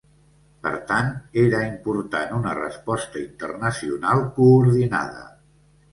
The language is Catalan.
Per tant, era important una resposta internacional coordinada.